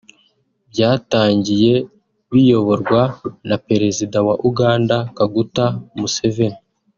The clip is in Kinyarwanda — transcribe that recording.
byatangiye biyoborwa na Perezida wa Uganda Kaguta Museveni